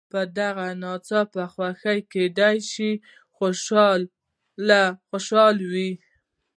په دغه ناڅاپي خوشي کېدلو خوشاله ول.